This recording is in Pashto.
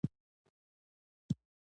که ګاونډي ته دعایې کوې، ته به نېکمرغه شې